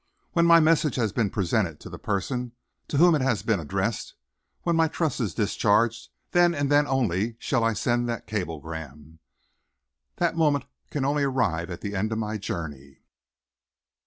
When my message has been presented to the person to whom it has been addressed, when my trust is discharged, then and then only shall I send that cablegram. That moment can only arrive at the end of my journey."